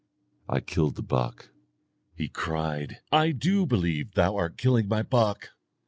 I killed the buck. He cried, 'I do believe that thou art killing my buck.'